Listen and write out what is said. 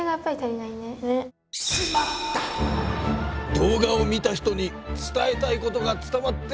動画を見た人に伝えたいことが伝わっていない。